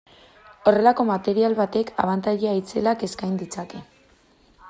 Horrelako material batek abantaila itzelak eskain ditzake.